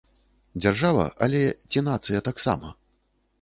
Дзяржава, але ці нацыя таксама?